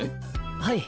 はい。